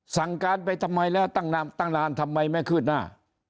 สั่งการไปทำไมแล้วตั้งนานทำไมไม่ขืดหน้า